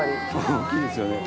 大きいですよね